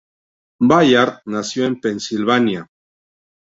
Baird nació en Pensilvania.